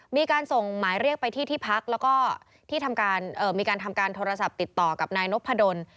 มีการส่งหมายเรียกไปที่ที่พักแล้วก็ที่มีการทำการโทรศัพท์ติดต่อกับนายนพดล